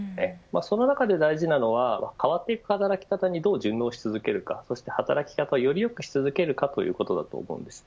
その中で大事なのは変わっていく働き方にどう順応し続けるかそして働き方をより良くし続けるかということだと思うんです。